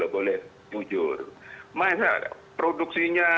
jujur masa produksinya